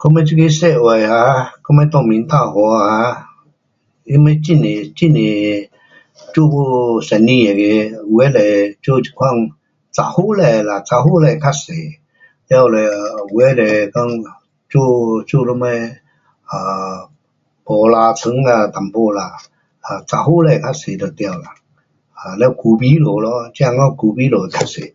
我们这个社会啊，我们在民达华啊，那里很多很多做生意那个，有的是做这款杂货店啦，杂货店较多，完了，有的是讲做，做什么黑啦桌啦，一点啦。啊，杂货店较多就对啦。完，咖啡座，听讲咖啡座较多。